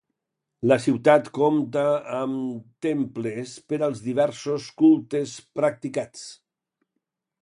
La ciutat compta amb temples per als diversos cultes practicats.